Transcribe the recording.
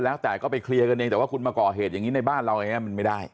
แล้วแต่ก็ไปเคลียร์กันเองแต่ว่าคุณมาก่อเหตุอย่างนี้ในบ้านเราอย่างนี้มันไม่ได้